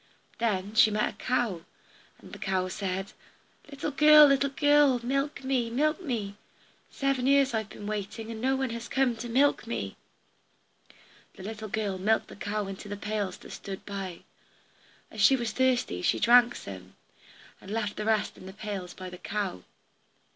Then she met a cow, and the cow said, "Little girl, little girl, milk me, milk me! Seven years have I been waiting, and no one has come to milk me." The girl milked the cow into the pails that stood by. As she was thirsty she drank some, and left the rest in the pails by the cow.